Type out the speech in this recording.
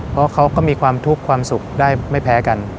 เพราะเขาก็มีความทุกข์ความสุขได้ไม่แพ้กัน